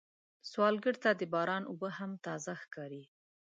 سوالګر ته د باران اوبه هم تازه ښکاري